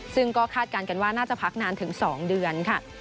ซึ่งก็คาดการณ์กันว่าน่าจะพักนานถึง๒เดือนค่ะ